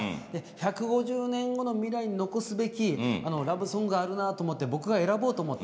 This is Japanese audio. １５０年後の未来に残すべきラブソングあるなと思って僕が選ぼうと思って。